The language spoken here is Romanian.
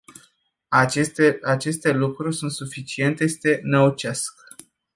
Aceste lucruri sunt suficiente să te năucească.